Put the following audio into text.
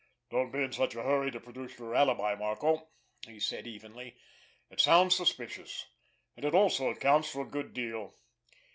"Don't be in such a hurry to produce your alibi, Marco," he said evenly. "It sounds suspicious—and it also accounts for a good deal.